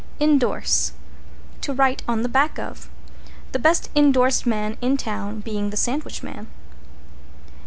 =INDORSE= To write on the back of; the best indorsed man in town being the Sandwich Man.